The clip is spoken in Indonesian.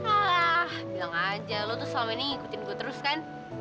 ah bilang aja lo tuh selama ini ngikutin gue terus kan